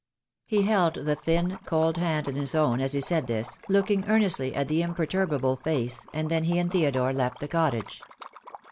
He held the thin, cold hand in his own as he said this, looking earnestly at the imperturbable face, and then he and Theodore left the cottage.